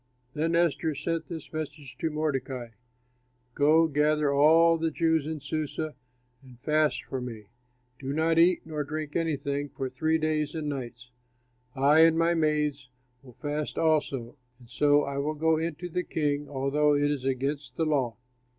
Then Esther sent this message to Mordecai: "Go, gather all the Jews in Susa and fast for me; do not eat nor drink anything for three days and nights. I and my maids will fast also, and so I will go in to the king, although it is against the law.